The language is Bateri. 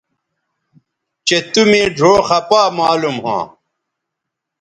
چہء تُو مے ڙھؤ خپا معلوم ھواں